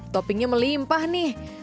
topingnya melimpah nih